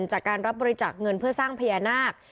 จากการรับบริจาคเงินเพื่อสร้างพญานาค